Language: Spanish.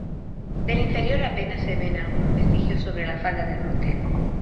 Del inferior apenas se ven algunos vestigios sobre la falda del monte.